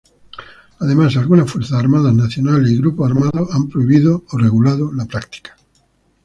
Además algunas fuerzas armadas nacionales y grupos armados han prohibido o regulado la práctica.